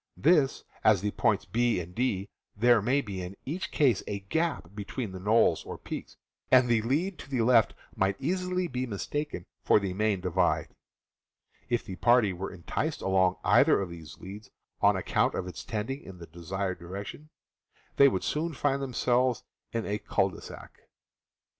Thus, at the points B and D there may be in each case a gap between knolls or peaks, and the lead to the left might easily be mistaken for the main divide. If the party were enticed along either of these leads, on account of its trending in the de sired direction, they would soon find themselves in a cul de sac.